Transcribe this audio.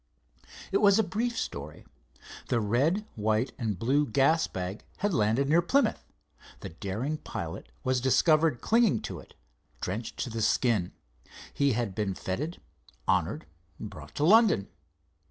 It was a brief story. The red, white and blue gas bag had landed near Plymouth. The daring pilot was discovered clinging to it, drenched to the skin. He had been feted, honored, brought to London.